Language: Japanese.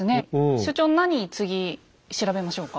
所長何次調べましょうか？